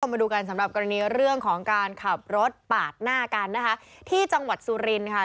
มาดูกันสำหรับกรณีเรื่องของการขับรถปาดหน้ากันนะคะที่จังหวัดสุรินค่ะ